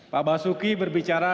pak basuki berbicara